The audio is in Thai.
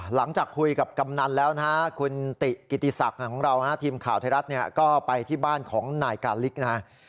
หลังจากคุยกับกำนันแล้วนะฮะคุณติกิติศักดิ์ของเราทีมข่าวไทยรัฐเนี่ยก็ไปที่บ้านของนายกาลิกนะฮะ